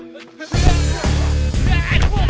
jangan jangan jangan